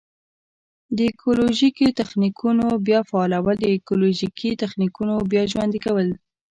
د ایکولوژیکي تخنیکونو بیا فعالول: د ایکولوژیکي تخنیکونو بیا ژوندي کول.